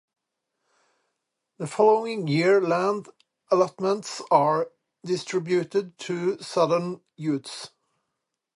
The following year land allotments are distributed to Southern Utes.